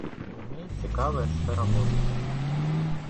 Мне цікавая сфера музыкі.